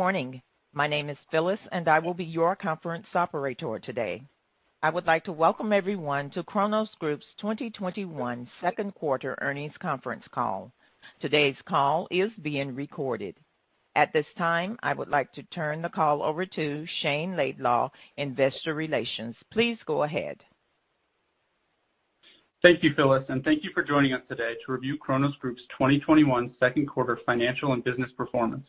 Good morning. My name is Phyllis. I will be your conference operator today. I would like to welcome everyone to Cronos Group's 2021 second quarter earnings conference call. Today's call is being recorded. At this time, I would like to turn the call over to Shayne Laidlaw, investor relations. Please go ahead. Thank you, Phyllis, and thank you for joining us today to review Cronos Group's 2021 second quarter financial and business performance.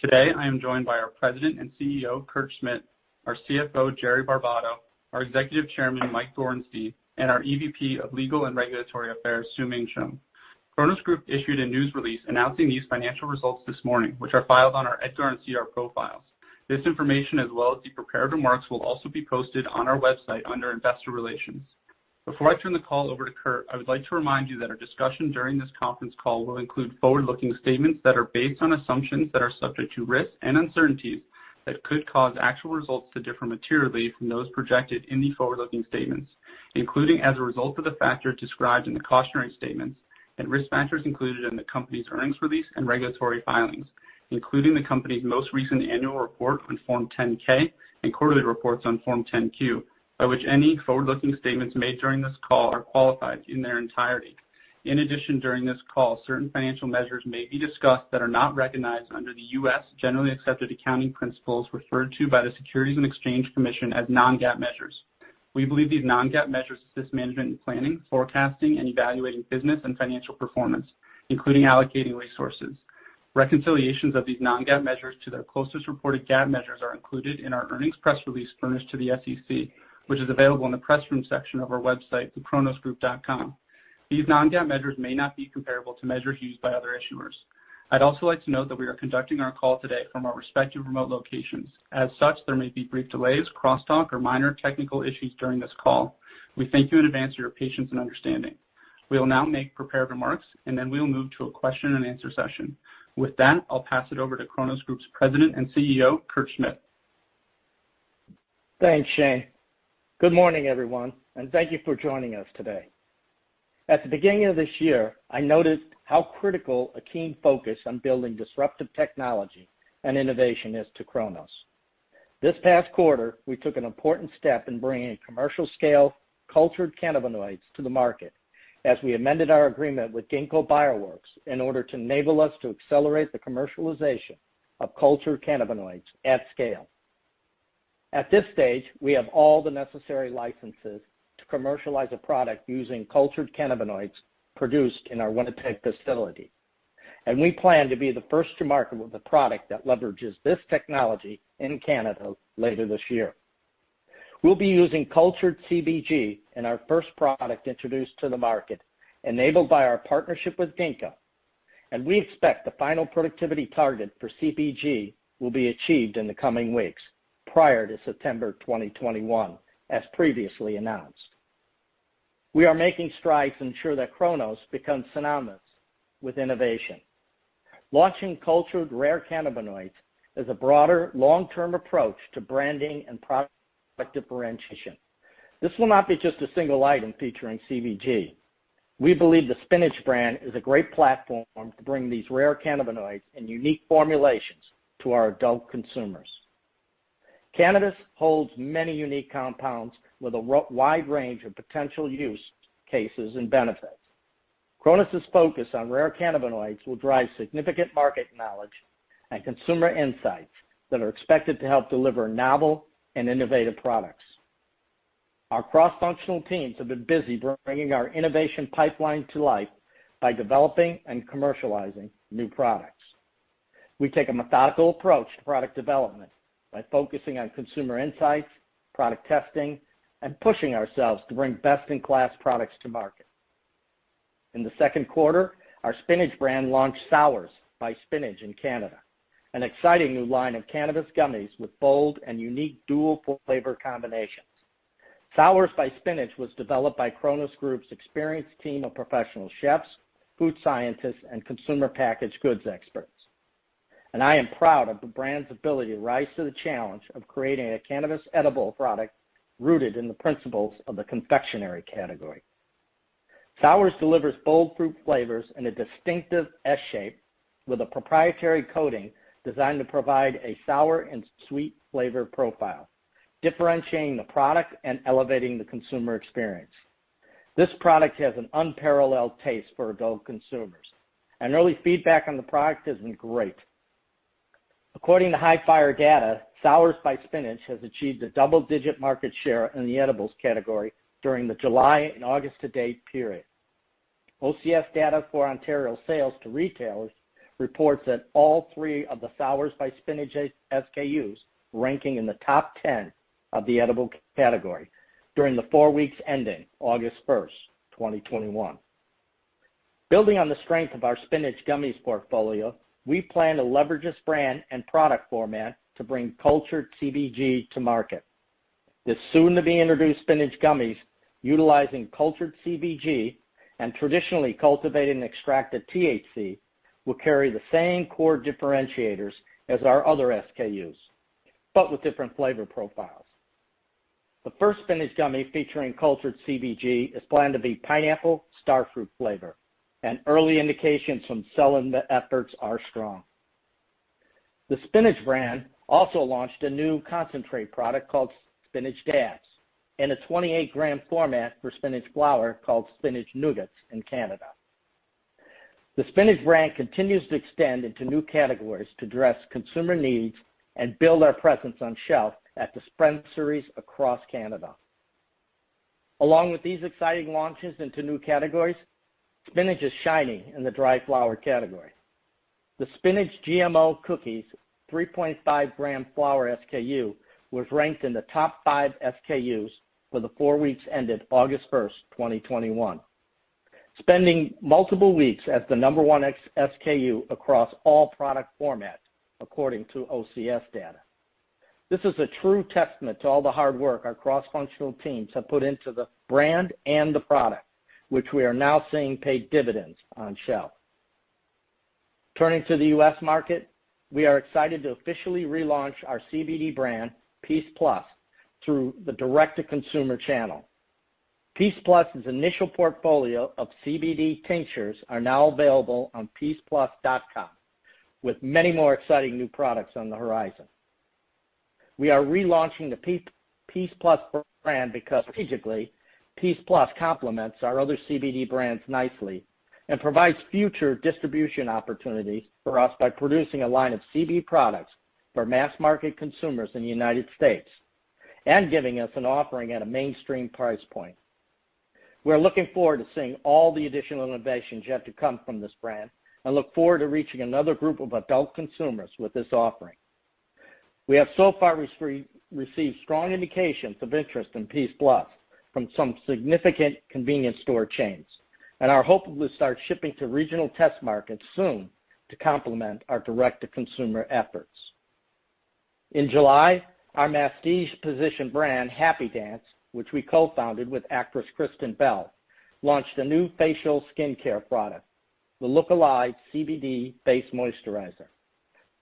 Today I am joined by our President and CEO, Kurt Schmidt, our CFO, Jerry Barbato, our Executive Chairman, Mike Gorenstein, and our EVP of Legal and Regulatory Affairs, Xiuming Shum. Cronos Group issued a news release announcing these financial results this morning, which are filed on our EDGAR and SEDAR profiles. This information, as well as the prepared remarks, will also be posted on our website under investor relations. Before I turn the call over to Kurt, I would like to remind you that our discussion during this conference call will include forward-looking statements that are based on assumptions that are subject to risks and uncertainties that could cause actual results to differ materially from those projected in the forward-looking statements, including as a result of the factors described in the cautionary statements and risk factors included in the company's earnings release and regulatory filings, including the company's most recent annual report on Form 10-K and quarterly reports on Form 10-Q, by which any forward-looking statements made during this call are qualified in their entirety. In addition, during this call, certain financial measures may be discussed that are not recognized under the U.S. Generally Accepted Accounting Principles referred to by the Securities and Exchange Commission as non-GAAP measures. We believe these non-GAAP measures assist management in planning, forecasting, and evaluating business and financial performance, including allocating resources. Reconciliations of these non-GAAP measures to their closest reported GAAP measures are included in our earnings press release furnished to the SEC, which is available in the press room section of our website, thecronosgroup.com. These non-GAAP measures may not be comparable to measures used by other issuers. I'd also like to note that we are conducting our call today from our respective remote locations. As such, there may be brief delays, crosstalk, or minor technical issues during this call. We thank you in advance for your patience and understanding. We will now make prepared remarks, and then we will move to a question-and-answer session. With that, I'll pass it over to Cronos Group's President and CEO, Kurt Schmidt. Thanks, Shayne. Good morning, everyone, and thank you for joining us today. At the beginning of this year, I noticed how critical a keen focus on building disruptive technology and innovation is to Cronos. This past quarter, we took an important step in bringing commercial-scale cultured cannabinoids to the market as we amended our agreement with Ginkgo Bioworks in order to enable us to accelerate the commercialization of cultured cannabinoids at scale. At this stage, we have all the necessary licenses to commercialize a product using cultured cannabinoids produced in our Winnipeg facility, and we plan to be the first to market with a product that leverages this technology in Canada later this year. We'll be using cultured CBG in our first product introduced to the market, enabled by our partnership with Ginkgo, and we expect the final productivity target for CBG will be achieved in the coming weeks, prior to September 2021, as previously announced. We are making strides to ensure that Cronos becomes synonymous with innovation. Launching cultured rare cannabinoids is a broader long-term approach to branding and product differentiation. This will not be just a single item featuring CBG. We believe the Spinach brand is a great platform to bring these rare cannabinoids and unique formulations to our adult consumers. Cannabis holds many unique compounds with a wide range of potential use cases and benefits. Cronos' focus on rare cannabinoids will drive significant market knowledge and consumer insights that are expected to help deliver novel and innovative products. Our cross-functional teams have been busy bringing our innovation pipeline to life by developing and commercializing new products. We take a methodical approach to product development by focusing on consumer insights, product testing, and pushing ourselves to bring best-in-class products to market. In the second quarter, our Spinach brand launched SOURZ by Spinach in Canada, an exciting new line of cannabis gummies with bold and unique dual fruit flavor combinations. SOURZ by Spinach was developed by Cronos Group's experienced team of professional chefs, food scientists, and consumer packaged goods experts. I am proud of the brand's ability to rise to the challenge of creating a cannabis edible product rooted in the principles of the confectionery category. SOURZ delivers bold fruit flavors in a distinctive S shape with a proprietary coating designed to provide a sour and sweet flavor profile, differentiating the product and elevating the consumer experience. This product has an unparalleled taste for adult consumers, and early feedback on the product has been great. According to Hifyre data, SOURZ by Spinach has achieved a double-digit market share in the edibles category during the July and August to date period. OCS data for Ontario sales to retailers reports that all three of the SOURZ by Spinach SKUs ranking in the top 10 of the edible category during the four weeks ending August 1st, 2021. Building on the strength of our Spinach gummies portfolio, we plan to leverage this brand and product format to bring cultured CBG to market. This soon-to-be-introduced Spinach gummies utilizing cultured CBG and traditionally cultivated and extracted THC will carry the same core differentiators as our other SKUs, but with different flavor profiles. The first Spinach gummy featuring cultured CBG is planned to be pineapple starfruit flavor, and early indications from selling the efforts are strong. The Spinach brand also launched a new concentrate product called Spinach DABZ in a 28 g format for Spinach flower called Spinach Nuggetz in Canada. The Spinach brand continues to extend into new categories to address consumer needs and build our presence on shelf at dispensaries across Canada. Along with these exciting launches into new categories, Spinach is shining in the dry flower category. The Spinach GMO Cookies 3.5 g flower SKU was ranked in the top five SKUs for the four weeks ended August 1st, 2021, spending multiple weeks as the number one SKU across all product formats, according to OCS data. This is a true testament to all the hard work our cross-functional teams have put into the brand and the product, which we are now seeing pay dividends on shelf. Turning to the U.S. market, we are excited to officially relaunch our CBD brand, PEACE+, through the direct-to-consumer channel. PEACE+'s initial portfolio of CBD tinctures are now available on peaceplus.com, with many more exciting new products on the horizon. We are relaunching the PEACE+ brand because strategically, PEACE+ complements our other CBD brands nicely and provides future distribution opportunities for us by producing a line of CBD products for mass-market consumers in the U.S. and giving us an offering at a mainstream price point. We are looking forward to seeing all the additional innovations yet to come from this brand and look forward to reaching another group of adult consumers with this offering. We have so far received strong indications of interest in PEACE+ from some significant convenience store chains and are hoping to start shipping to regional test markets soon to complement our direct-to-consumer efforts. In July, our masstige position brand, Happy Dance, which we co-founded with actress Kristen Bell, launched a new facial skincare product, the Look Alive CBD Face Moisturizer.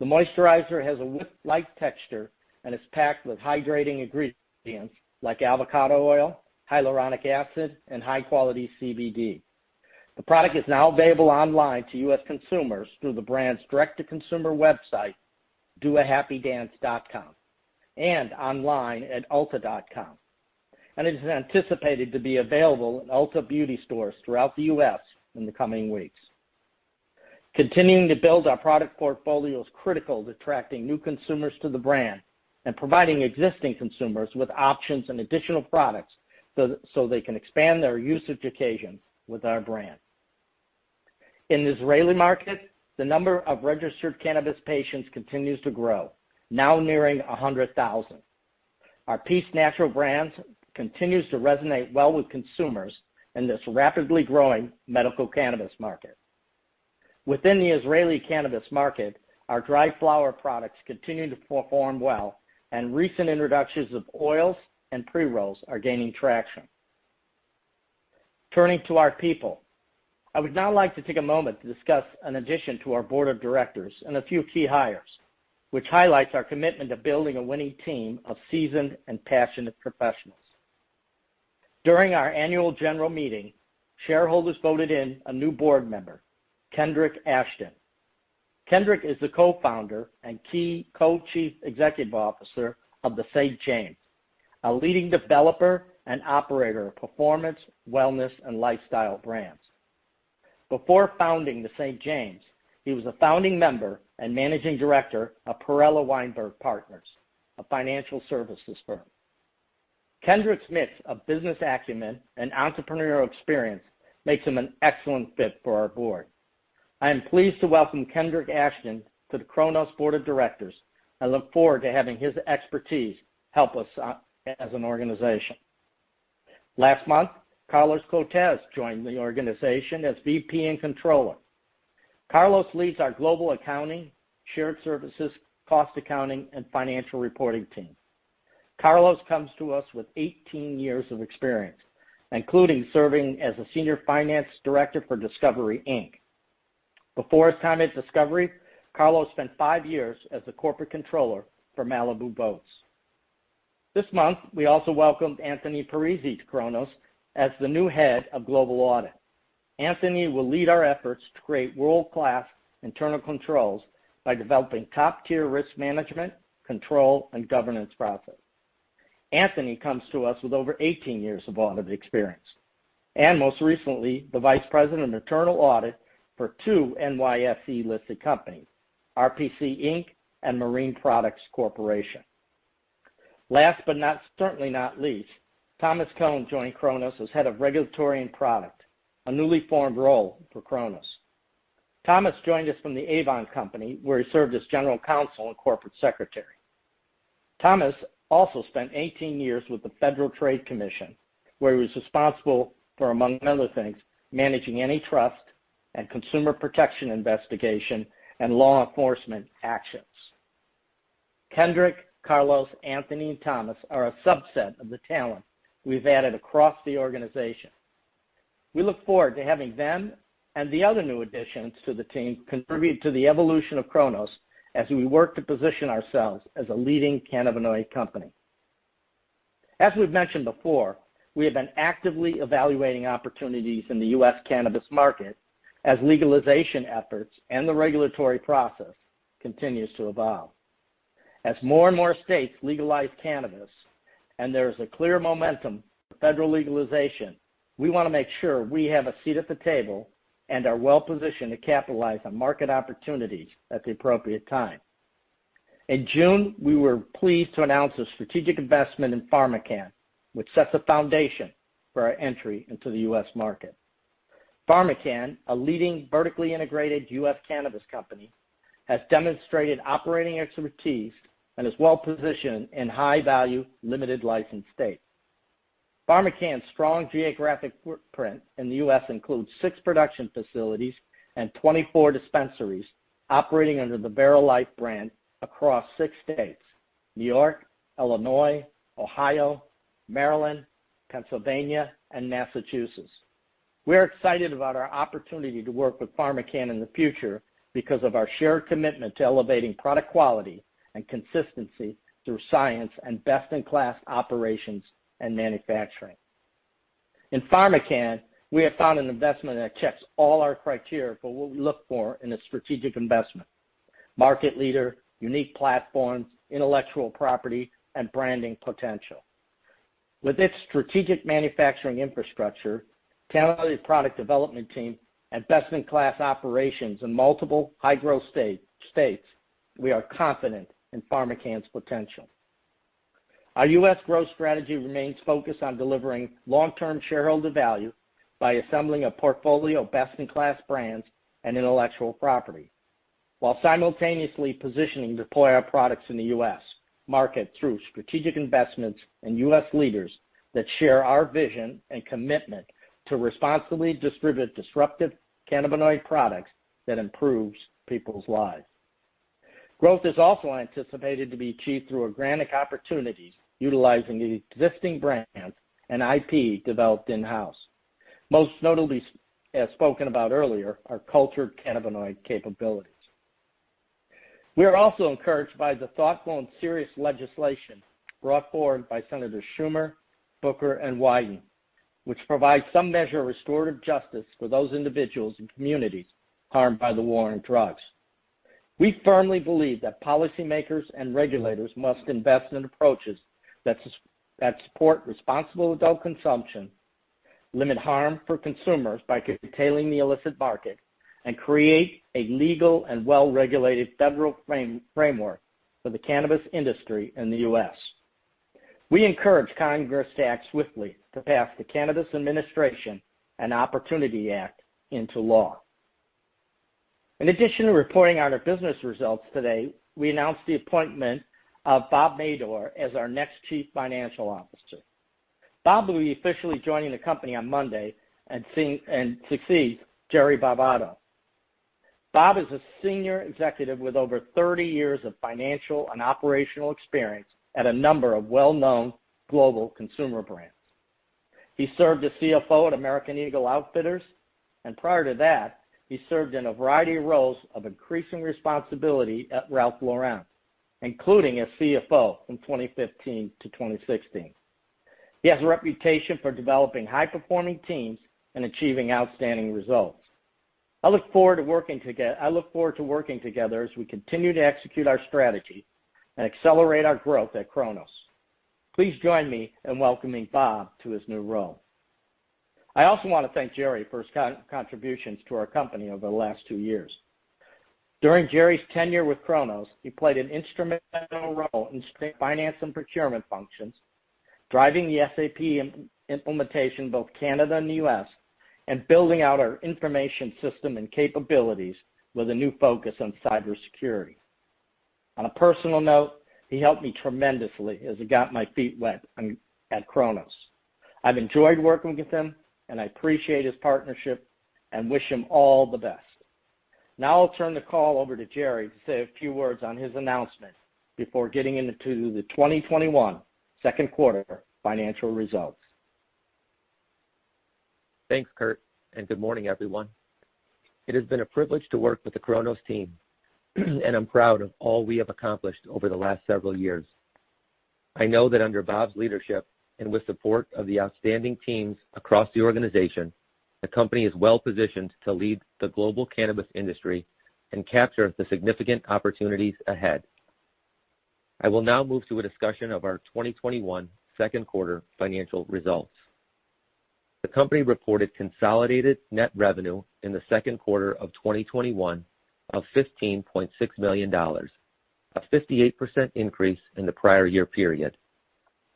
The moisturizer has a whip-like texture and is packed with hydrating ingredients like avocado oil, hyaluronic acid, and high-quality CBD. The product is now available online to U.S. consumers through the brand's direct-to-consumer website, doahappydance.com, and online at ulta.com. It is anticipated to be available in Ulta Beauty stores throughout the U.S. in the coming weeks. Continuing to build our product portfolio is critical to attracting new consumers to the brand and providing existing consumers with options and additional products, so they can expand their usage occasions with our brand. In the Israeli market, the number of registered cannabis patients continues to grow, now nearing 100,000. Our PEACE NATURALS brands continues to resonate well with consumers in this rapidly growing medical cannabis market. Within the Israeli cannabis market, our dry flower products continue to perform well, and recent introductions of oils and pre-rolls are gaining traction. Turning to our people, I would now like to take a moment to discuss an addition to our board of directors and a few key hires, which highlights our commitment to building a winning team of seasoned and passionate professionals. During our annual general meeting, shareholders voted in a new board member, Kendrick Ashton. Kendrick is the Co-Founder and key Co-Chief Executive Officer of The St. James, a leading developer and operator of performance, wellness, and lifestyle brands. Before founding The St. James, he was a founding member and Managing Director of Perella Weinberg Partners, a financial services firm. Kendrick's mix of business acumen and entrepreneurial experience makes him an excellent fit for our board. I am pleased to welcome Kendrick Ashton to the Cronos board of directors and look forward to having his expertise help us as an organization. Last month, Carlos Cortez joined the organization as VP and Controller. Carlos leads our global accounting, shared services, cost accounting, and financial reporting team. Carlos comes to us with 18 years of experience, including serving as a Senior Finance Director for Discovery, Inc. Before his time at Discovery, Carlos spent five years as the Corporate Controller for Malibu Boats. This month, we also welcomed Anthony Parisi to Cronos as the new head of global audit. Anthony will lead our efforts to create world-class internal controls by developing top-tier risk management, control, and governance process. Anthony comes to us with over 18 years of audit experience and most recently, the vice president of internal audit for two NYSE-listed companies, RPC, Inc. and Marine Products Corporation. Last, but certainly not least, Thomas Cohn joined Cronos as head of regulatory and product, a newly formed role for Cronos. Thomas joined us from the Avon Company, where he served as general counsel and corporate secretary. Thomas also spent 18 years with the Federal Trade Commission, where he was responsible for, among other things, managing antitrust and consumer protection investigation and law enforcement actions. Kendrick, Carlos, Anthony, and Thomas are a subset of the talent we've added across the organization. We look forward to having them and the other new additions to the team contribute to the evolution of Cronos as we work to position ourselves as a leading cannabinoid company. As we've mentioned before, we have been actively evaluating opportunities in the U.S. cannabis market as legalization efforts and the regulatory process continues to evolve. As more and more states legalize cannabis, and there is a clear momentum for federal legalization, we want to make sure we have a seat at the table and are well-positioned to capitalize on market opportunities at the appropriate time. In June, we were pleased to announce a strategic investment in PharmaCann, which sets the foundation for our entry into the U.S. market. PharmaCann, a leading vertically integrated U.S. cannabis company, has demonstrated operating expertise and is well-positioned in high-value, limited license states. PharmaCann's strong geographic footprint in the U.S. includes six production facilities and 24 dispensaries operating under the Verilife brand across six states: N.Y., Illinois, Ohio, Maryland, Pennsylvania, and Massachusetts. We are excited about our opportunity to work with PharmaCann in the future because of our shared commitment to elevating product quality and consistency through science and best-in-class operations and manufacturing. In PharmaCann, we have found an investment that checks all our criteria for what we look for in a strategic investment. Market leader, unique platforms, intellectual property, and branding potential. With its strategic manufacturing infrastructure, talented product development team, and best-in-class operations in multiple high-growth states, we are confident in PharmaCann's potential. Our U.S. growth strategy remains focused on delivering long-term shareholder value by assembling a portfolio of best-in-class brands and intellectual property, while simultaneously positioning to deploy our products in the U.S. market through strategic investments and U.S. leaders that share our vision and commitment to responsibly distribute disruptive cannabinoid products that improves people's lives. Growth is also anticipated to be achieved through organic opportunities utilizing the existing brands and IP developed in-house. Most notably, as spoken about earlier, our cultured cannabinoid capabilities. We are also encouraged by the thoughtful and serious legislation brought forward by Senators Schumer, Booker, and Wyden, which provides some measure of restorative justice for those individuals and communities harmed by the war on drugs. We firmly believe that policymakers and regulators must invest in approaches that support responsible adult consumption, limit harm for consumers by curtailing the illicit market, and create a legal and well-regulated federal framework for the cannabis industry in the U.S. We encourage Congress to act swiftly to pass the Cannabis Administration and Opportunity Act into law. In addition to reporting on our business results today, we announced the appointment of Bob Madore as our next Chief Financial Officer. Bob will be officially joining the company on Monday and succeed Jerry Barbato. Bob is a senior executive with over 30 years of financial and operational experience at a number of well-known global consumer brands. He served as CFO at American Eagle Outfitters, and prior to that, he served in a variety of roles of increasing responsibility at Ralph Lauren, including as CFO from 2015 to 2016. He has a reputation for developing high-performing teams and achieving outstanding results. I look forward to working together as we continue to execute our strategy and accelerate our growth at Cronos. Please join me in welcoming Bob to his new role. I also want to thank Jerry for his contributions to our company over the last two years. During Jerry's tenure with Cronos, he played an instrumental role in finance and procurement functions, driving the SAP implementation in both Canada and the U.S., and building out our information system and capabilities with a new focus on cybersecurity. On a personal note, he helped me tremendously as I got my feet wet at Cronos. I've enjoyed working with him, and I appreciate his partnership and wish him all the best. Now I'll turn the call over to Jerry to say a few words on his announcement before getting into the 2021 second quarter financial results. Thanks, Kurt, and good morning, everyone. It has been a privilege to work with the Cronos team, and I'm proud of all we have accomplished over the last several years. I know that under Bob's leadership and with support of the outstanding teams across the organization, the company is well-positioned to lead the global cannabis industry and capture the significant opportunities ahead. I will now move to a discussion of our 2021 second quarter financial results. The company reported consolidated net revenue in the second quarter of 2021 of $15.6 million, a 58% increase in the prior year period.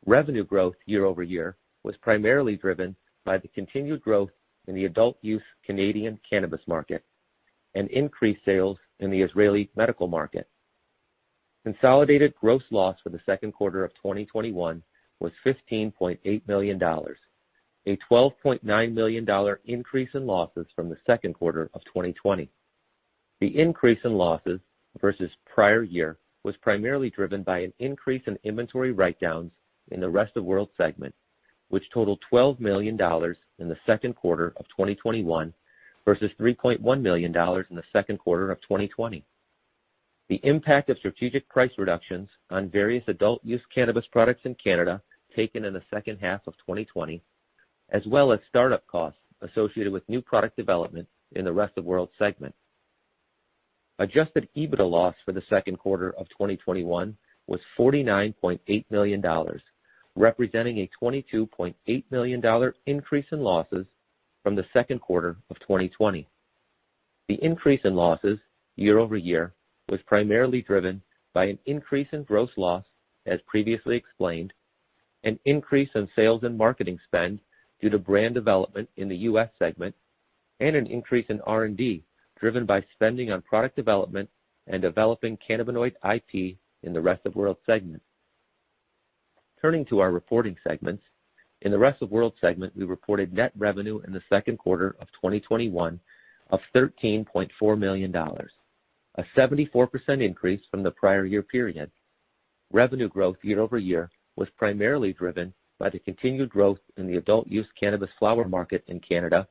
Revenue growth year-over-year was primarily driven by the continued growth in the adult-use Canadian cannabis market and increased sales in the Israeli medical market. Consolidated gross loss for the second quarter of 2021 was $15.8 million, a $12.9 million increase in losses from the second quarter of 2020. The increase in losses versus prior year was primarily driven by an increase in inventory write-downs in the Rest of World segment, which totaled $12 million in the second quarter of 2021 versus $3.1 million in the second quarter of 2020. The impact of strategic price reductions on various adult-use cannabis products in Canada taken in the second half of 2020, as well as startup costs associated with new product development in the Rest of World segment. Adjusted EBITDA loss for the second quarter of 2021 was $49.8 million, representing a $22.8 million increase in losses from the second quarter of 2020. The increase in losses year-over-year was primarily driven by an increase in gross loss, as previously explained, an increase in sales and marketing spend due to brand development in the U.S. segment, and an increase in R&D, driven by spending on product development and developing cannabinoid IP in the Rest of World segment. Turning to our reporting segments, in the Rest of World segment, we reported net revenue in the second quarter of 2021 of $13.4 million, a 74% increase from the prior year period. Revenue growth year-over-year was primarily driven by the continued growth in the adult-use cannabis flower market in Canada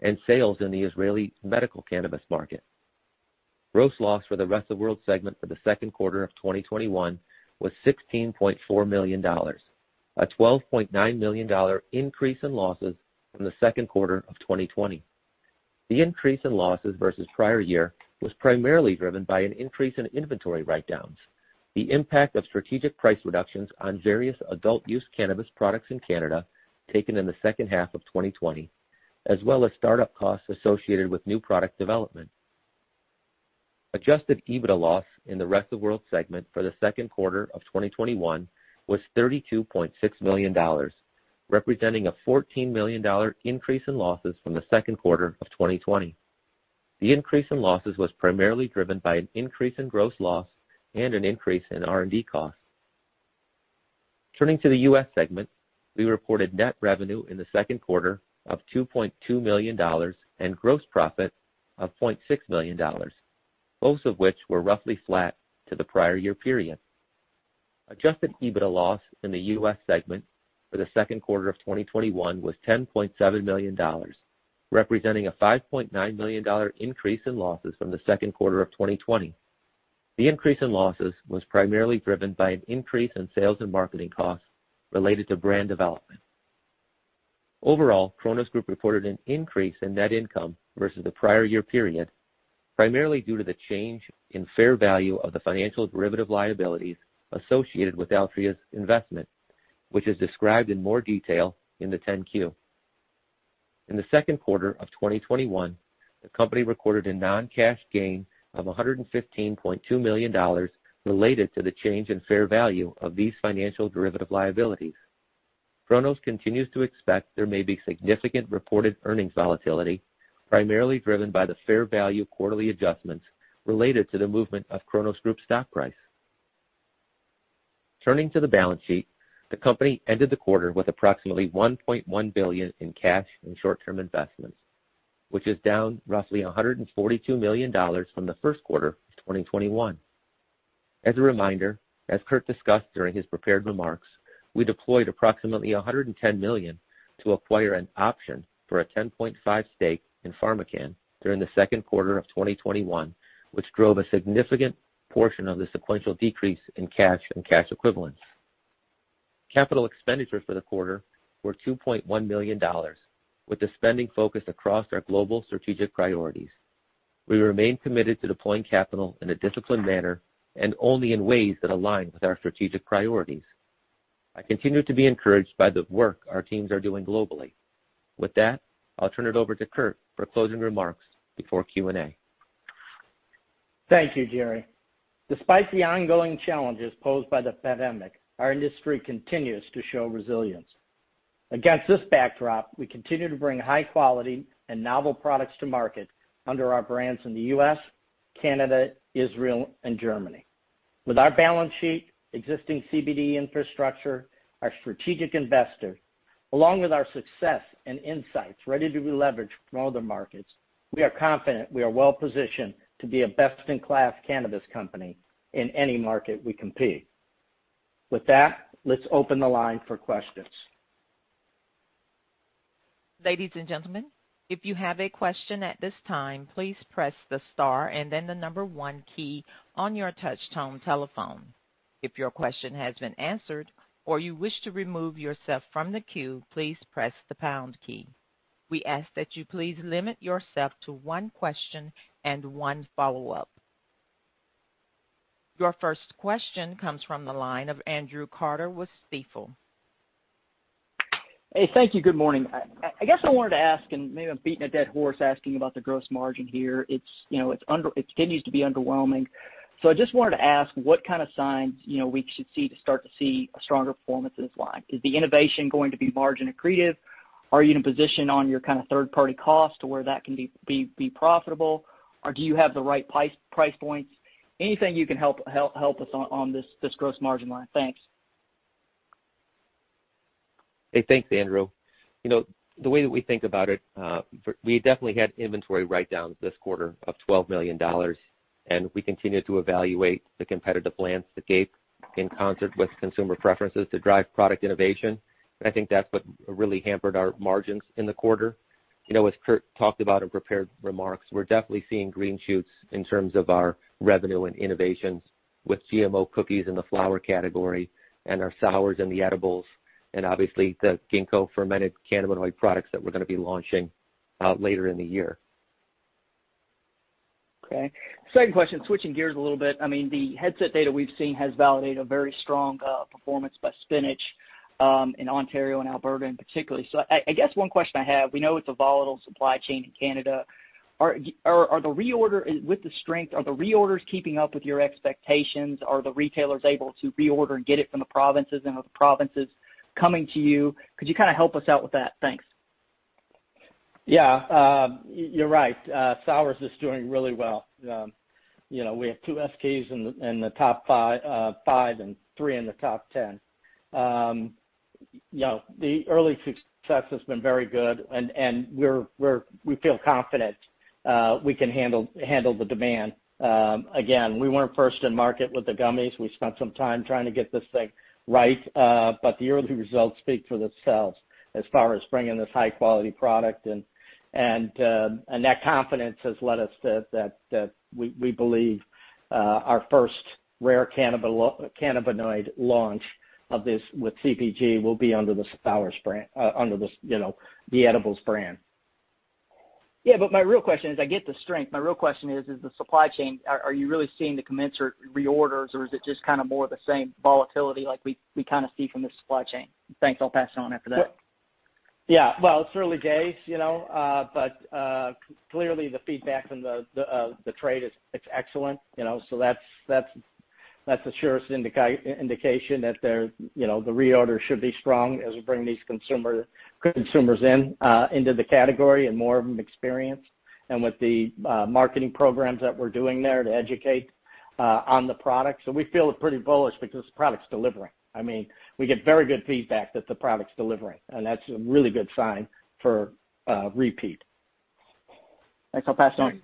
and sales in the Israeli medical cannabis market. Gross loss for the Rest of World segment for the second quarter of 2021 was $16.4 million, a $12.9 million increase in losses from the second quarter of 2020. The increase in losses versus prior year was primarily driven by an increase in inventory write-downs, the impact of strategic price reductions on various adult-use cannabis products in Canada taken in the second half of 2020, as well as startup costs associated with new product development. Adjusted EBITDA loss in the Rest of World segment for the second quarter of 2021 was $32.6 million, representing a $14 million increase in losses from the second quarter of 2020. The increase in losses was primarily driven by an increase in gross loss and an increase in R&D costs. Turning to the U.S. segment, we reported net revenue in the second quarter of $2.2 million and gross profit of$0.6 million, both of which were roughly flat to the prior year period. Adjusted EBITDA loss in the U.S. segment for the second quarter of 2021 was $10.7 million, representing a $5.9 million increase in losses from the second quarter of 2020. The increase in losses was primarily driven by an increase in sales and marketing costs related to brand development. Overall, Cronos Group reported an increase in net income versus the prior year period, primarily due to the change in fair value of the financial derivative liabilities associated with Altria's investment, which is described in more detail in the 10-Q. In the second quarter of 2021, the company recorded a non-cash gain of $115.2 million related to the change in fair value of these financial derivative liabilities. Cronos continues to expect there may be significant reported earnings volatility, primarily driven by the fair value quarterly adjustments related to the movement of Cronos Group's stock price. Turning to the balance sheet, the company ended the quarter with approximately $1.1 billion in cash and short-term investments, which is down roughly $142 million from the first quarter of 2021. As a reminder, as Kurt discussed during his prepared remarks, we deployed approximately $110 million to acquire an option for a 10.5% stake in PharmaCann during the second quarter of 2021, which drove a significant portion of the sequential decrease in cash and cash equivalents. Capital expenditures for the quarter were $2.1 million, with the spending focus across our global strategic priorities. We remain committed to deploying capital in a disciplined manner and only in ways that align with our strategic priorities. I continue to be encouraged by the work our teams are doing globally. With that, I'll turn it over to Kurt for closing remarks before Q&A. Thank you, Jerry. Despite the ongoing challenges posed by the pandemic, our industry continues to show resilience. Against this backdrop, we continue to bring high-quality and novel products to market under our brands in the U.S., Canada, Israel, and Germany. With our balance sheet, existing CBD infrastructure, our strategic investor, along with our success and insights ready to be leveraged from other markets, we are confident we are well-positioned to be a best-in-class cannabis company in any market we compete. With that, let's open the line for questions. Ladies and gentlemen, if you have a question at this time, please press the star and then the number one key on your touchtone telephone. If your question has been answered, or you wish to remove yourself from the queue, please press the pound key. We ask that you please limit yourself to one question and one follow-up. Your first question comes from the line of Andrew Carter with Stifel. Hey, thank you. Good morning. I guess I wanted to ask, and maybe I'm beating a dead horse asking about the gross margin here. It continues to be underwhelming. I just wanted to ask what kind of signs we should see to start to see a stronger performance in this line. Is the innovation going to be margin accretive? Are you in a position on your kind of third-party cost to where that can be profitable? Do you have the right price points? Anything you can help us on this gross margin line. Thanks. Hey, thanks, Andrew. The way that we think about it, we definitely had inventory write-downs this quarter of $12 million, and we continue to evaluate the competitive landscape in concert with consumer preferences to drive product innovation. I think that's what really hampered our margins in the quarter. As Kurt talked about in prepared remarks, we're definitely seeing green shoots in terms of our revenue and innovations with GMO Cookies in the flower category and our SOURZ in the edibles and obviously the Ginkgo-fermented cannabinoid products that we're going to be launching later in the year. Okay. Second question, switching gears a little bit. The Headset data we've seen has validated a very strong performance by Spinach in Ontario and Alberta in particular. I guess one question I have, we know it's a volatile supply chain in Canada. With the strength, are the reorders keeping up with your expectations? Are the retailers able to reorder and get it from the provinces and are the provinces coming to you? Could you kind of help us out with that? Thanks. Yeah. You're right. SOURZ is doing really well. We have two SKUs in the top five and three in the top 10. The early success has been very good, and we feel confident we can handle the demand. Again, we weren't first in market with the gummies. We spent some time trying to get this thing right. The early results speak for themselves as far as bringing this high-quality product. That confidence has led us that we believe our first rare cannabinoid launch of this with CBG will be under the SOURZ brand, under the edibles brand. Yeah. My real question is, I get the strength. My real question is, are you really seeing the commensurate reorders, or is it just kind of more of the same volatility like we kind of see from the supply chain? Thanks. I'll pass it on after that. Yeah. Well, it's early days. Clearly the feedback from the trade is excellent. That's the surest indication that the reorders should be strong as we bring these consumers into the category and more of them experienced and with the marketing programs that we're doing there to educate on the product. We feel pretty bullish because the product's delivering. I mean, we get very good feedback that the product's delivering. That's a really good sign for repeat. Thanks. I'll pass it on.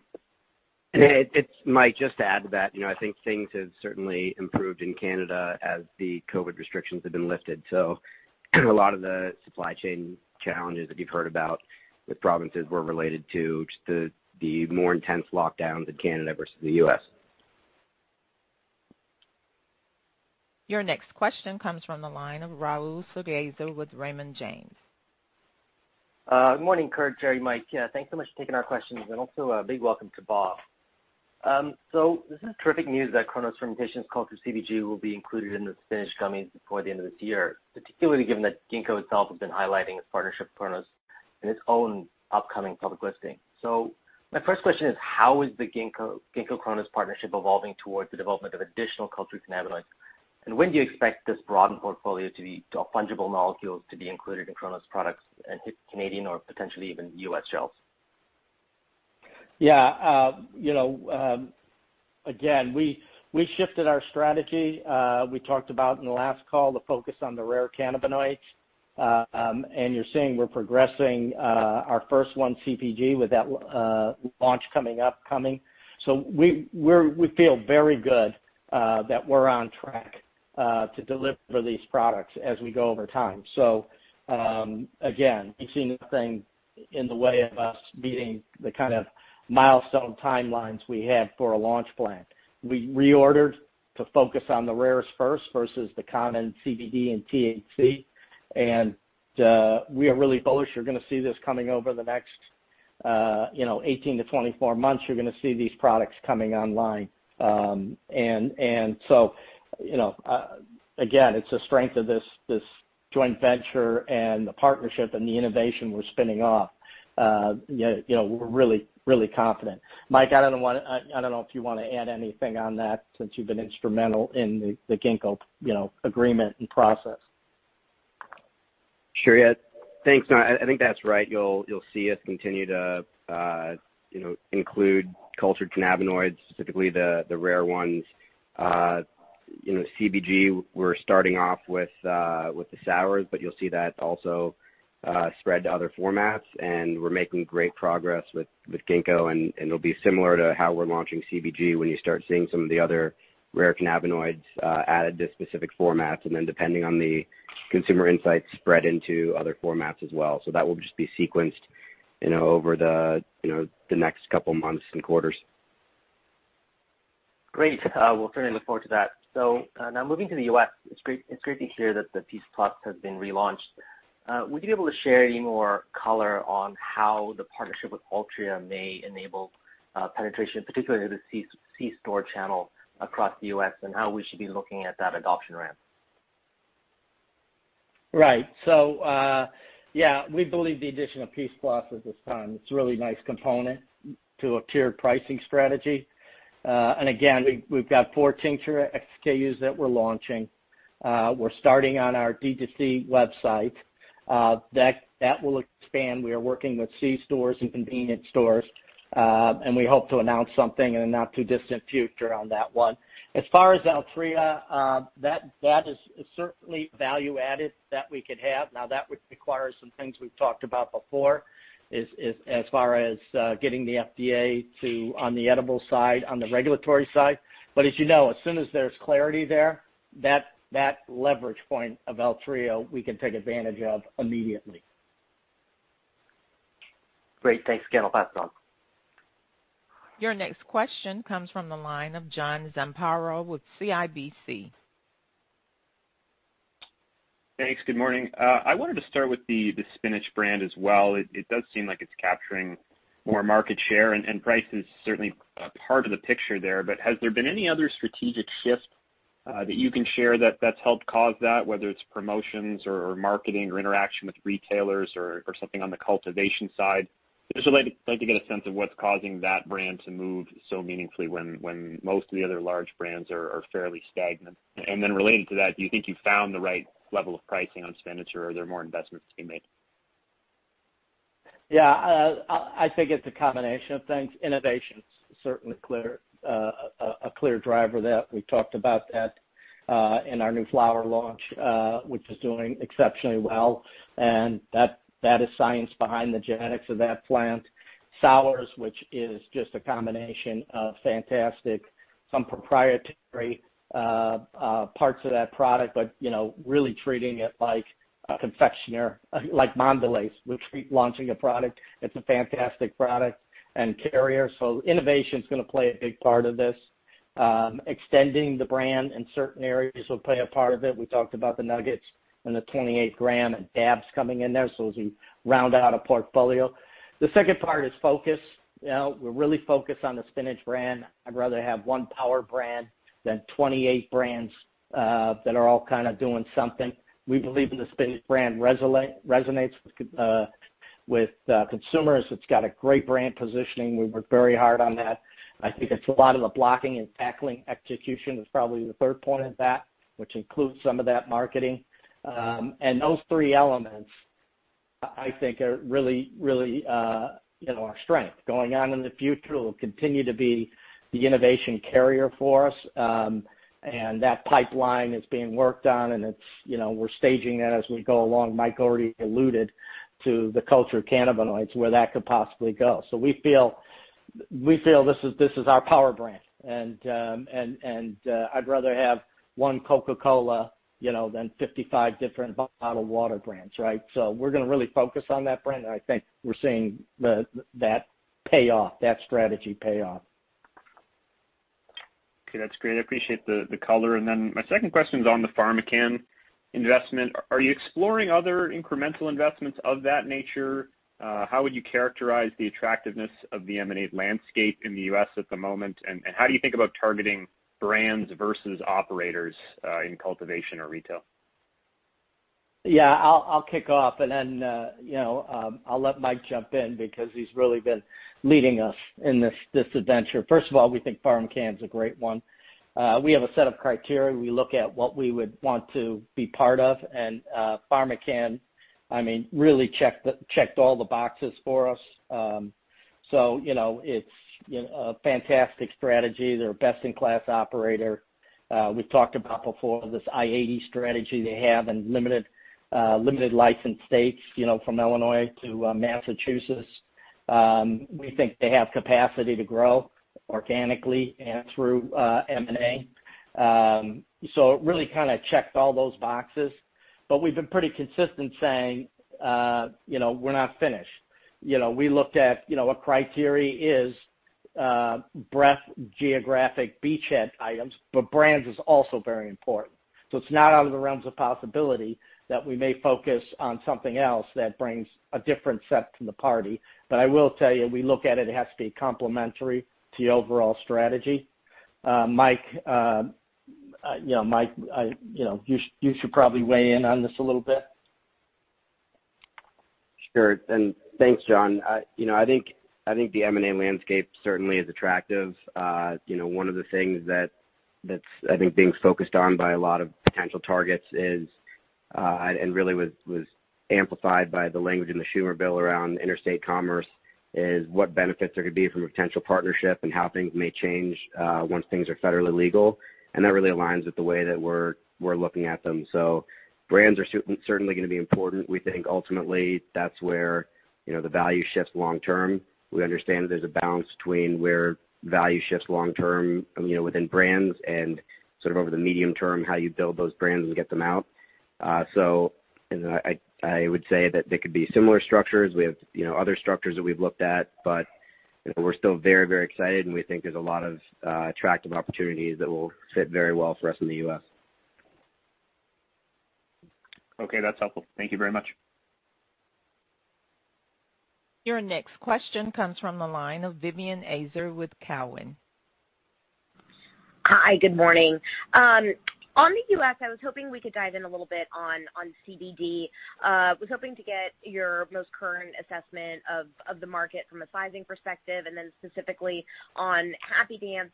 Hey, it's Mike, just to add to that, I think things have certainly improved in Canada as the COVID restrictions have been lifted. A lot of the supply chain challenges that you've heard about with provinces were related to just the more intense lockdowns in Canada versus the U.S. Your next question comes from the line of Rahul Sarugaser with Raymond James. Good morning, Kurt, Jerry, Mike. Thanks so much for taking our questions, and also a big welcome to Bob. This is terrific news that Cronos Fermentation's cultured CBG will be included in the Spinach gummies before the end of this year, particularly given that Ginkgo itself has been highlighting its partnership with Cronos in its own upcoming public listing. My first question is, how is the Ginkgo-Cronos partnership evolving towards the development of additional cultured cannabinoids? When do you expect this broadened portfolio of fungible molecules to be included in Cronos products and hit Canadian or potentially even U.S. shelves? Yeah. We shifted our strategy. We talked about in the last call, the focus on the rare cannabinoids. You're seeing we're progressing our first one, CBG, with that launch coming upcoming. We feel very good that we're on track to deliver these products as we go over time. Again, it's anything in the way of us meeting the kind of milestone timelines we have for a launch plan. We reordered to focus on the rarest first versus the common CBD and THC. We are really bullish. You're going to see this coming over the next 18-24 months. You're going to see these products coming online. It's the strength of this joint venture and the partnership and the innovation we're spinning off. We're really confident. Mike, I don't know if you want to add anything on that since you've been instrumental in the Ginkgo agreement and process. Sure, yeah. Thanks. I think that's right. You'll see us continue to include cultured cannabinoids, specifically the rare ones. CBG, we're starting off with the SOURZ, but you'll see that also spread to other formats, and we're making great progress with Ginkgo, and it'll be similar to how we're launching CBG when you start seeing some of the other rare cannabinoids added to specific formats, and then depending on the consumer insights, spread into other formats as well. That will just be sequenced over the next couple of months and quarters. Great. We'll certainly look forward to that. Now moving to the U.S., it's great to hear that the PEACE+ has been relaunched. Would you be able to share any more color on how the partnership with Altria may enable penetration, particularly the C-store channel across the U.S., and how we should be looking at that adoption ramp? Right. Yeah, we believe the addition of PEACE+ at this time, it's a really nice component to a tiered pricing strategy. Again, we've got four tincture SKUs that we're launching. We're starting on our D2C website. That will expand. We are working with C-stores and convenience stores, we hope to announce something in a not too distant future on that one. As far as Altria, that is certainly value added that we could have. That would require some things we've talked about before as far as getting the FDA on the edible side, on the regulatory side. As you know, as soon as there's clarity there, that leverage point of Altria, we can take advantage of immediately. Great. Thanks, again. I'll pass it on. Your next question comes from the line of John Zamparo with CIBC. Thanks. Good morning. I wanted to start with the Spinach brand as well. It does seem like it's capturing more market share, and price is certainly a part of the picture there, but has there been any other strategic shift that you can share that's helped cause that, whether it's promotions or marketing or interaction with retailers or something on the cultivation side? Just would like to get a sense of what's causing that brand to move so meaningfully when most of the other large brands are fairly stagnant. Then relating to that, do you think you've found the right level of pricing on Spinach, or are there more investments to be made? Yeah. I think it's a combination of things. Innovation's certainly a clear driver that we talked about that in our new flower launch, which is doing exceptionally well. That is science behind the genetics of that plant. SOURZ, which is just a combination of fantastic, some proprietary parts of that product, but really treating it like a confectioner, like Mondelez would treat launching a product. It's a fantastic product and carrier. Innovation's going to play a big part of this. Extending the brand in certain areas will play a part of it. We talked about the nuggets and the 28 g DABZ coming in there as we round out a portfolio. The second part is focus. We're really focused on the Spinach brand. I'd rather have one power brand than 28 brands that are all kind of doing something. We believe the Spinach brand resonates with consumers. It's got a great brand positioning. We work very hard on that. I think it's a lot of the blocking and tackling execution is probably the third point of that, which includes some of that marketing. Those three elements, I think, are really, really our strength. Going on in the future, will continue to be the innovation carrier for us. That pipeline is being worked on and we're staging that as we go along. Mike already alluded to the cultured cannabinoids, where that could possibly go. We feel this is our power brand. I'd rather have one Coca-Cola, than 55 different bottled water brands, right? We're going to really focus on that brand, and I think we're seeing that payoff, that strategy pay off. Okay, that's great. I appreciate the color. My second question is on the PharmaCann investment. Are you exploring other incremental investments of that nature? How would you characterize the attractiveness of the M&A landscape in the U.S. at the moment? How do you think about targeting brands versus operators in cultivation or retail? I'll kick off and then I'll let Mike jump in because he's really been leading us in this adventure. First of all, we think PharmaCann is a great one. We have a set of criteria. We look at what we would want to be part of, PharmaCann really checked all the boxes for us. It's a fantastic strategy. They're a best-in-class operator. We've talked about before this IAE strategy they have in limited license states from Illinois to Massachusetts. We think they have capacity to grow organically and through M&A. It really kind of checked all those boxes. We've been pretty consistent saying we're not finished. We looked at a criteria is breadth geographic beachhead items, brands is also very important. It's not out of the realms of possibility that we may focus on something else that brings a different set to the party. I will tell you, we look at it has to be complementary to the overall strategy. Mike, you should probably weigh in on this a little bit. Sure. Thanks, John. I think the M&A landscape certainly is attractive. One of the things that's, I think, being focused on by a lot of potential targets is, and really was amplified by the language in the Schumer bill around interstate commerce, is what benefits there could be from a potential partnership and how things may change once things are federally legal. That really aligns with the way that we're looking at them. Brands are certainly going to be important. We think ultimately that's where the value shifts long term. We understand there's a balance between where value shifts long term within brands and sort of over the medium term, how you build those brands and get them out. I would say that there could be similar structures. We have other structures that we've looked at, but we're still very excited, and we think there's a lot of attractive opportunities that will fit very well for us in the U.S. Okay, that's helpful. Thank you very much. Your next question comes from the line of Vivien Azer with Cowen. Hi, good morning. On the U.S., I was hoping we could dive in a little bit on CBD. Was hoping to get your most current assessment of the market from a sizing perspective, and then specifically on Happy Dance,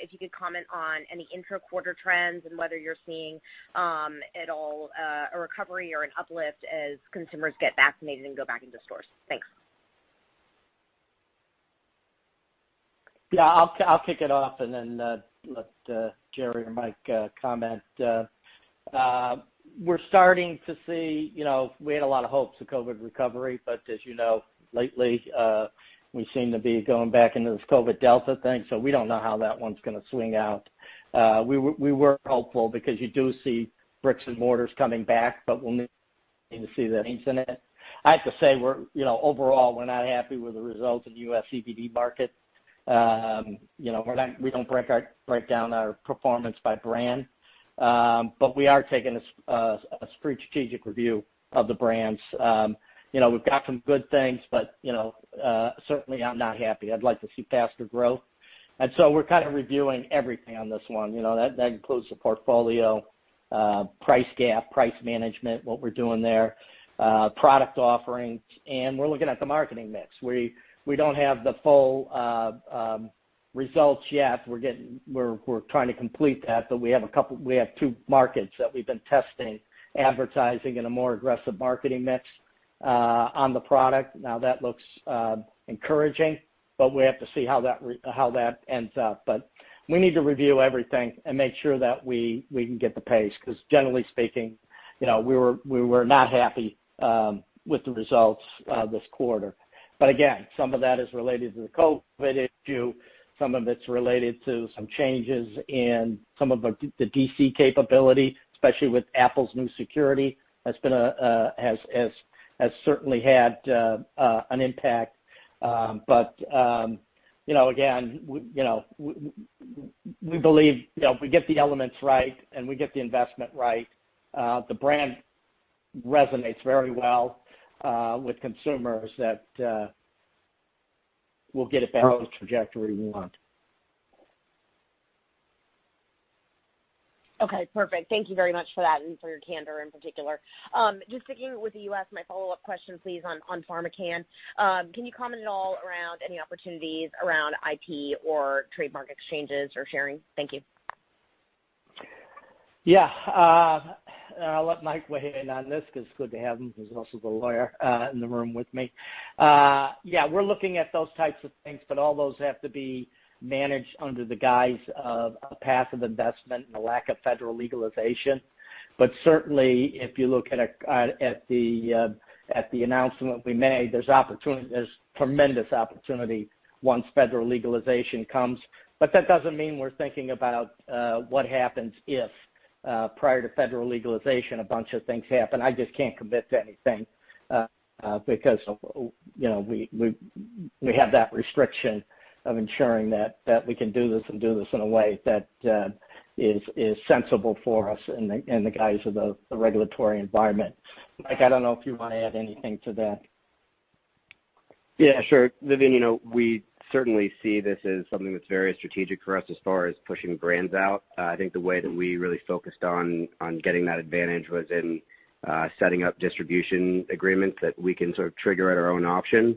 if you could comment on any intra-quarter trends and whether you're seeing at all a recovery or an uplift as consumers get vaccinated and go back into stores. Thanks. Yeah, I'll kick it off and then let Jerry or Mike comment. We're starting to see, you know, we had a lot of hopes of COVID recovery. As you know, lately, we seem to be going back into this COVID Delta thing. We don't know how that one's going to swing out. We were hopeful because you do see bricks and mortars coming back. We'll need to see the in it. I have to say, overall, we're not happy with the results of the U.S. CBD market. We don't break down our performance by brand. We are taking a strategic review of the brands. We've got some good things, certainly I'm not happy. I'd like to see faster growth. We're kind of reviewing everything on this one. That includes the portfolio, price gap, price management, what we're doing there, product offerings, and we're looking at the marketing mix. We don't have the full results yet. We're trying to complete that, but we have two markets that we've been testing advertising in a more aggressive marketing mix on the product. Now, that looks encouraging, but we have to see how that ends up. We need to review everything and make sure that we can get the pace, because generally speaking, we were not happy with the results this quarter. Again, some of that is related to the COVID issue. Some of it's related to some changes in some of the D2C capability, especially with Apple's new security. That's certainly had an impact. Again, we believe if we get the elements right and we get the investment right, the brand resonates very well with consumers that we'll get it back on the trajectory we want. Okay, perfect. Thank you very much for that and for your candor in particular. Just sticking with the U.S., my follow-up question please, on PharmaCann. Can you comment at all around any opportunities around IP or trademark exchanges or sharing? Thank you. Yeah. I'll let Mike weigh in on this because it's good to have him. He's also the lawyer in the room with me. Yeah. We're looking at those types of things. All those have to be managed under the guise of a passive investment and a lack of federal legalization. Certainly, if you look at the announcement we made, there's tremendous opportunity once federal legalization comes. That doesn't mean we're thinking about what happens if, prior to federal legalization, a bunch of things happen. I just can't commit to anything because we have that restriction of ensuring that we can do this and do this in a way that is sensible for us in the guise of the regulatory environment. Mike, I don't know if you want to add anything to that. Yeah, sure. Vivien, we certainly see this as something that's very strategic for us as far as pushing brands out. I think the way that we really focused on getting that advantage was in setting up distribution agreements that we can sort of trigger at our own option.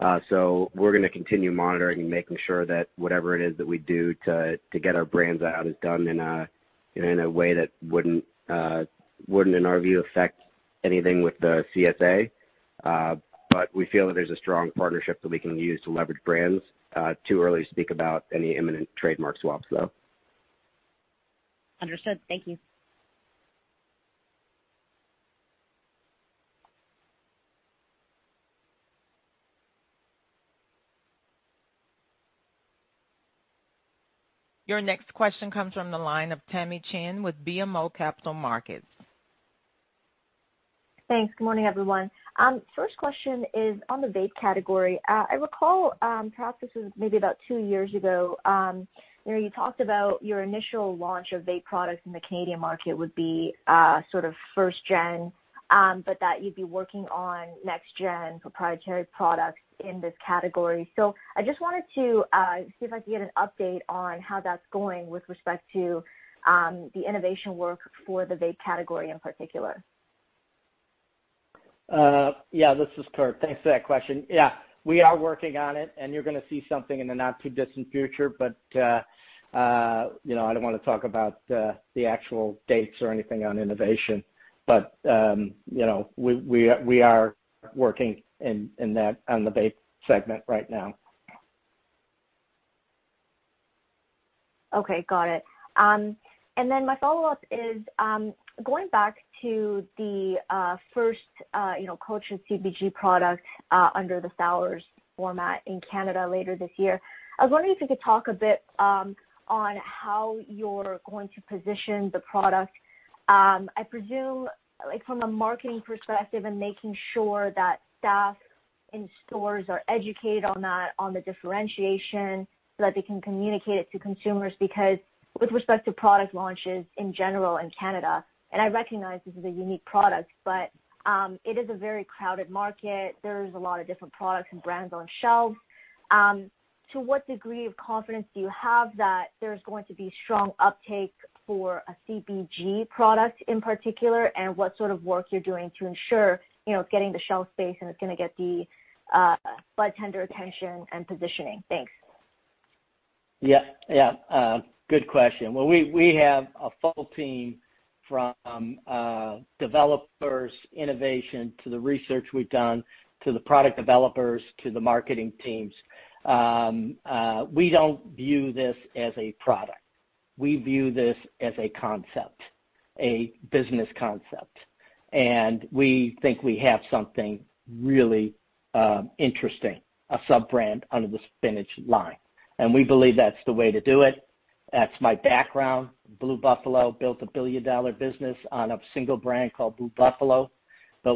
We're going to continue monitoring and making sure that whatever it is that we do to get our brands out is done in a way that wouldn't, in our view, affect anything with the CSA. We feel that there's a strong partnership that we can use to leverage brands. Too early to speak about any imminent trademark swaps, though. Understood. Thank you. Your next question comes from the line of Tamy Chen with BMO Capital Markets. Thanks. Good morning, everyone. First question is on the vape category. I recall, perhaps this was maybe about two years ago, you talked about your initial launch of vape products in the Canadian market would be sort of first gen, but that you'd be working on next-gen proprietary products in this category. I just wanted to see if I could get an update on how that's going with respect to the innovation work for the vape category in particular. Yeah, this is Kurt. Thanks for that question. Yeah. We are working on it, and you're going to see something in the not too distant future. I don't want to talk about the actual dates or anything on innovation. We are working on the vape segment right now. Okay, got it. Then my follow-up is, going back to the first cultured CBG product under the SOURZ format in Canada later this year. I was wondering if you could talk a bit on how you're going to position the product. I presume from a marketing perspective and making sure that staff in stores are educated on that, on the differentiation, so that they can communicate it to consumers. Because with respect to product launches in general in Canada, I recognize this is a unique product, but it is a very crowded market. There's a lot of different products and brands on shelves. To what degree of confidence do you have that there's going to be strong uptake for a CBG product in particular, and what sort of work you're doing to ensure it's getting the shelf space, and it's going to get the budtender attention and positioning? Thanks. Yeah. Yeah. Good question. Well, we have a full team from developers, innovation, to the research we've done, to the product developers, to the marketing teams. We don't view this as a product. We view this as a concept, a business concept. We think we have something really interesting, a sub-brand under the Spinach line. We believe that's the way to do it. That's my background. Blue Buffalo built a billion-dollar business on a single brand called Blue Buffalo.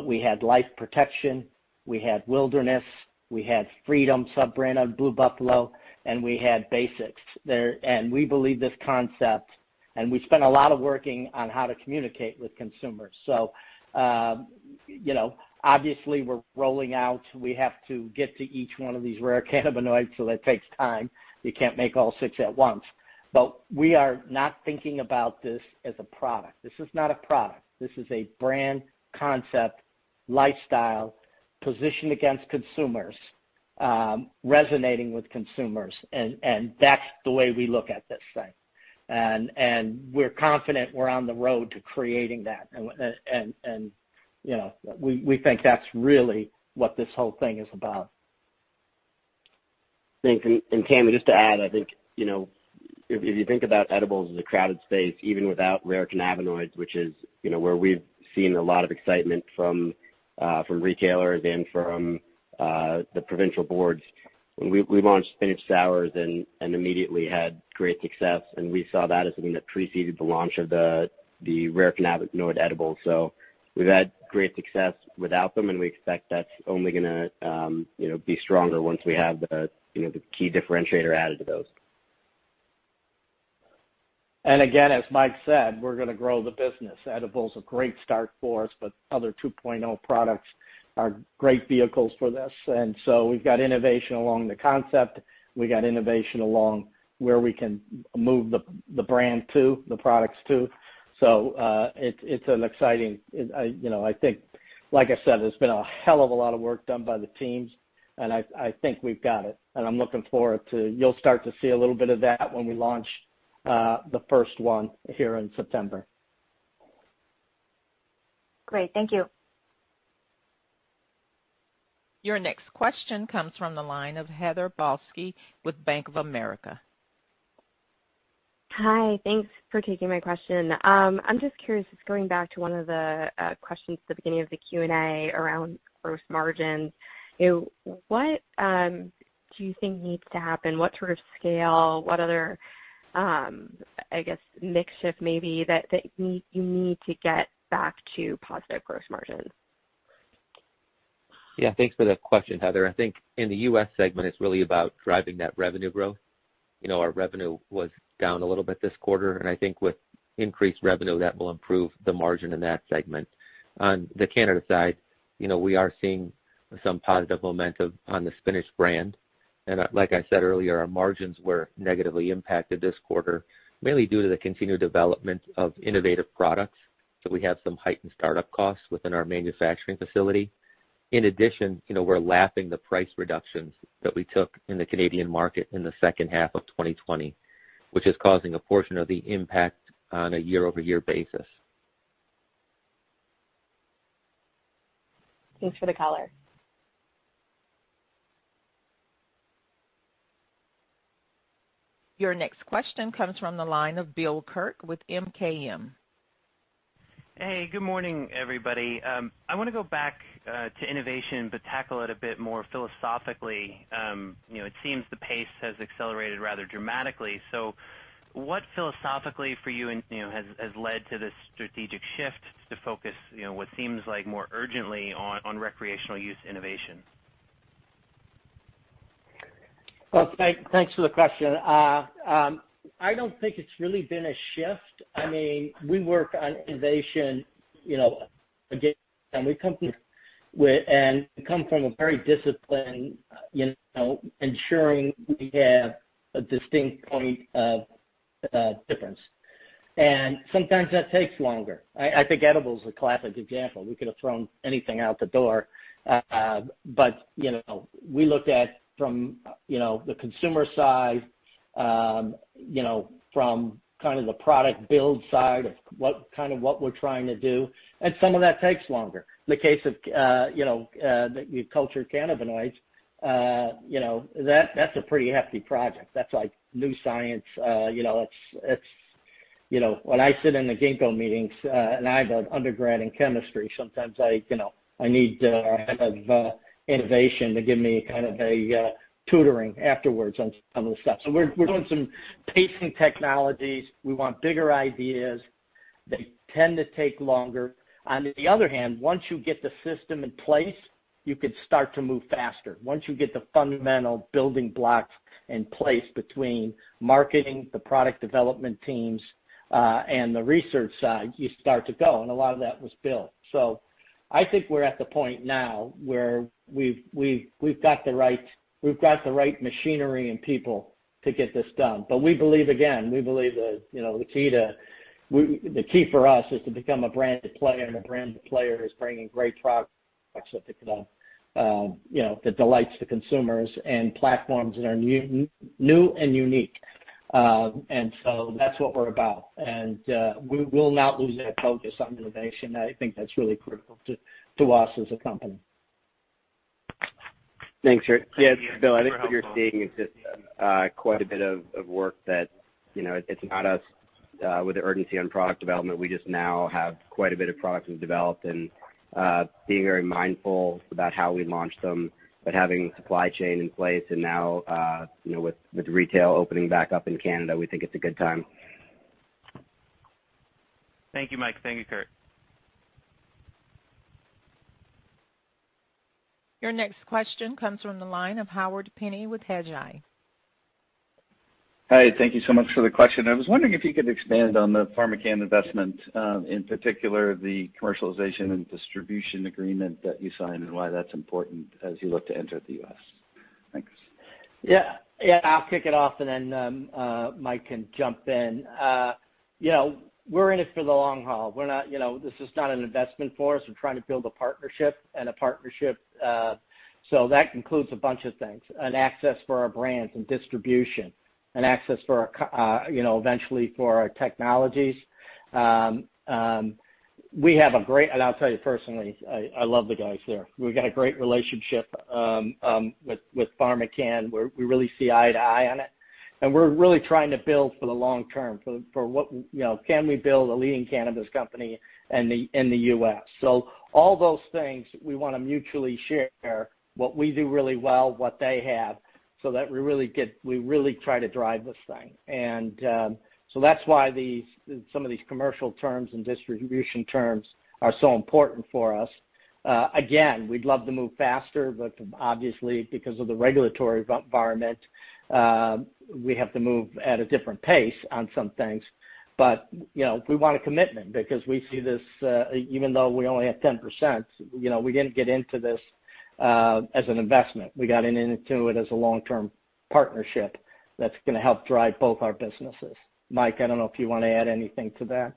We had Life Protection, we had Wilderness, we had Freedom sub-brand of Blue Buffalo, and we had Basics. We believe this concept, and we spent a lot of working on how to communicate with consumers. Obviously we're rolling out, we have to get to each one of these rare cannabinoids, so that takes time. You can't make all six at once. We are not thinking about this as a product. This is not a product. This is a brand concept, lifestyle, positioned against consumers, resonating with consumers. That's the way we look at this thing. We're confident we're on the road to creating that. We think that's really what this whole thing is about. Thanks. Tamy, just to add, if you think about edibles as a crowded space, even without rare cannabinoids, which is where we've seen a lot of excitement from retailers and from the provincial boards. We launched Spinach SOURZ and immediately had great success, and we saw that as something that preceded the launch of the rare cannabinoid edibles. We've had great success without them, and we expect that's only going to be stronger once we have the key differentiator added to those. Again, as Mike said, we're going to grow the business. Edibles, a great start for us, other 2.0 products are great vehicles for this. We've got innovation along the concept. We got innovation along where we can move the brand to, the products to. It's exciting. I think, like I said, it's been a hell of a lot of work done by the teams, and I think we've got it. I'm looking forward to, you'll start to see a little bit of that when we launch the first one here in September. Great. Thank you. Your next question comes from the line of Heather Balsky with Bank of America. Hi. Thanks for taking my question. I'm just curious, just going back to one of the questions at the beginning of the Q&A around gross margins. What do you think needs to happen? What sort of scale, what other, I guess, mix shift maybe that you need to get back to positive gross margins? Yeah, thanks for the question, Heather. I think in the U.S. segment, it's really about driving that revenue growth. Our revenue was down a little bit this quarter, and I think with increased revenue, that will improve the margin in that segment. On the Canada side, we are seeing some positive momentum on the Spinach brand. Like I said earlier, our margins were negatively impacted this quarter, mainly due to the continued development of innovative products. We have some heightened startup costs within our manufacturing facility. In addition, we're lapping the price reductions that we took in the Canadian market in the second half of 2020, which is causing a portion of the impact on a year-over-year basis. Thanks for the color. Your next question comes from the line of Bill Kirk with MKM. Hey, good morning, everybody. I want to go back to innovation, but tackle it a bit more philosophically. It seems the pace has accelerated rather dramatically. What philosophically for you has led to this strategic shift to focus, what seems like more urgently, on recreational use innovation? Thanks for the question. I don't think it's really been a shift. We work on innovation, again, and we come from a very disciplined, ensuring we have a distinct point of difference. Sometimes that takes longer. I think edibles is a classic example. We could have thrown anything out the door. We looked at from the consumer side, from kind of the product build side of what we're trying to do. Some of that takes longer. In the case of the cultured cannabinoids, that's a pretty hefty project. That's like new science. When I sit in the Ginkgo meetings, and I have an undergrad in chemistry, sometimes I need a kind of innovation to give me kind of a tutoring afterwards on some of the stuff. We're doing some pacing technologies. We want bigger ideas. They tend to take longer. On the other hand, once you get the system in place, you could start to move faster. Once you get the fundamental building blocks in place between marketing, the product development teams, and the research side, you start to go, and a lot of that was built. I think we're at the point now where we've got the right machinery and people to get this done. We believe, again, we believe that the key for us is to become a branded player, and a branded player is bringing great products that delights the consumers and platforms that are new and unique. That's what we're about. We will not lose that focus on innovation. I think that's really critical to us as a company. Thanks, Kurt. Yes, Bill, I think what you're seeing is just quite a bit of work that it's not us with the urgency on product development. We just now have quite a bit of products we've developed and being very mindful about how we launch them, but having the supply chain in place and now, with retail opening back up in Canada, we think it's a good time. Thank you, Mike. Thank you, Kurt. Your next question comes from the line of Howard Penney with Hedgeye. Hi. Thank you so much for the question. I was wondering if you could expand on the PharmaCann investment, in particular the commercialization and distribution agreement that you signed and why that's important as you look to enter the U.S. Thanks. I'll kick it off and then Mike can jump in. We're in it for the long haul. This is not an investment for us. We're trying to build a partnership and a partnership. That includes a bunch of things, an access for our brands and distribution, an access eventually for our technologies. I'll tell you personally, I love the guys there. We've got a great relationship with PharmaCann, where we really see eye-to-eye on it, and we're really trying to build for the long term, for can we build a leading cannabis company in the U.S. All those things we want to mutually share what we do really well, what they have, so that we really try to drive this thing. That's why some of these commercial terms and distribution terms are so important for us. Again, we'd love to move faster, but obviously because of the regulatory environment, we have to move at a different pace on some things. We want a commitment because we see this, even though we only have 10%, we didn't get into this as an investment. We got into it as a long-term partnership that's going to help drive both our businesses. Mike, I don't know if you want to add anything to that.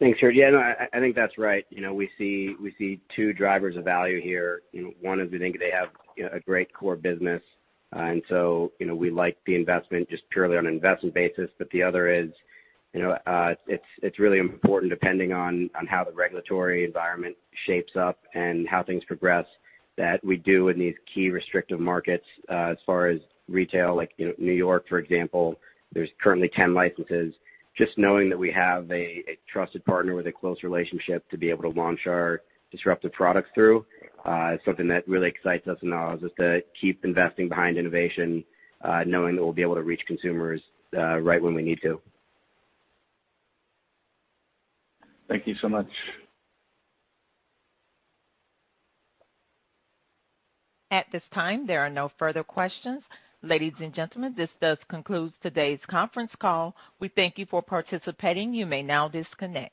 Thanks, Kurt. Yeah, no, I think that's right. We see two drivers of value here. One is we think they have a great core business. We like the investment just purely on an investment basis. The other is, it's really important depending on how the regulatory environment shapes up and how things progress that we do in these key restrictive markets, as far as retail, like N.Y., for example, there's currently 10 licenses. Just knowing that we have a trusted partner with a close relationship to be able to launch our disruptive products through, is something that really excites us and allows us to keep investing behind innovation, knowing that we'll be able to reach consumers right when we need to. Thank you so much. At this time, there are no further questions. Ladies and gentlemen, this does conclude today's conference call. We thank you for participating. You may now disconnect.